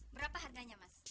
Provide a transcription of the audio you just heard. berapa harganya mas